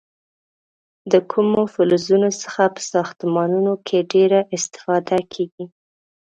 د کومو فلزونو څخه په ساختمانونو کې ډیره استفاده کېږي؟